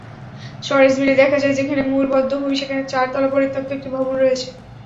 সরেজমিনে দেখা যায়, যেখানে মূল বধ্যভূমি, সেখানে চারতলা পরিত্যক্ত একটি ভবন রয়েছে।